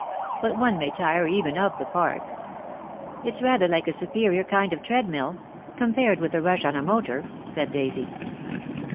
But one may tire even of the Park." "It's rather like a superior kind of treadmill — compared with a rush on a motor," said Daisy.